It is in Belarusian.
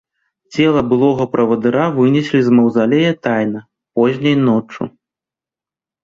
Цела былога правадыра вынеслі з маўзалея тайна, позняй ноччу.